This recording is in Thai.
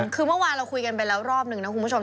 คือเมื่อวานเราคุยกันไปแล้วรอบนึงนะคุณผู้ชม